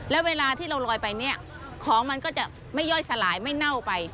แล้วเวลาที่เราลอยไปเนี่ยของมันก็จะไม่ย่อยสลายไม่เน่าไป